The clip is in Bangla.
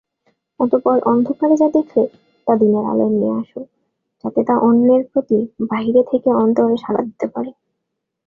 তারপর অন্ধকারে যা দেখলে তা দিনের আলোয় নিয়ে আস যাতে তা অন্যের প্রতি বাইরে থেকে অন্তরে সাড়া দিতে পারে।